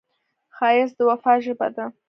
ښایست د وفا ژبه ده